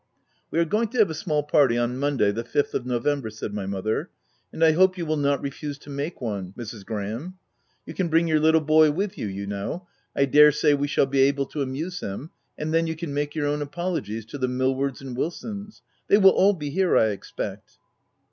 "We are going to have a small party on Monday, the fifth of November,' ' said my mo ther ;" and I hope you will not refuse to make one, Mrs. Graham. You can bring your little boy with you, you know — I dare say we shall be able to amuse him ;— and then you can make your own apologies to the Millwards and Wil sons, — they will all be here I expect."